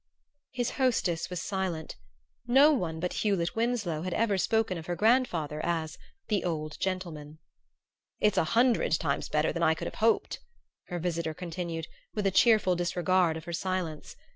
His hostess was silent. No one but Hewlett Winsloe had ever spoken of her grandfather as "the old gentleman." "It's a hundred times better than I could have hoped," her visitor continued, with a cheerful disregard of her silence.